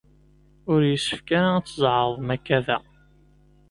Ur yessefk ara ad tzeɛḍem akka da.